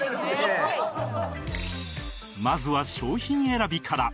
まずは商品選びから